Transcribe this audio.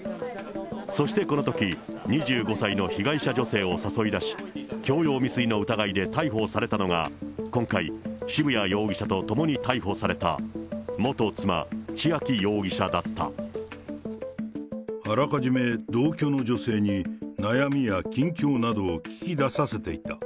そしてこのとき、２５歳の被害者女性を誘い出し、強要未遂の疑いで逮捕されたのが、今回、渋谷容疑者と共に逮捕されあらかじめ同居の女性に、悩みや近況などを聞き出させていた。